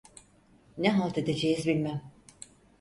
Ne halt edeceğiz bilmem…